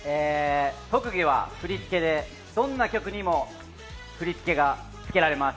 特技は振り付けで、どんな曲にも振り付けがつけられます。